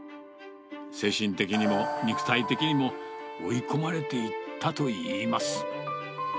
精神的にも、肉体的にも、追い込まれていったといいます。